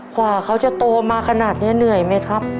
ความเกินได้มาขนาดนี้เหนื่อยไหมครับ